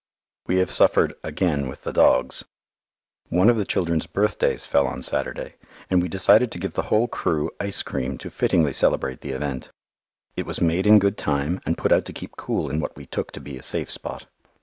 We have suffered again with the dogs. One of the children's birthdays fell on Saturday, and we decided to give the whole "crew" ice cream to fittingly celebrate the event. It was made in good time and put out to keep cool in what we took to be a safe spot.